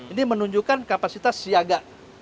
ini menunjukkan kapasitas siaga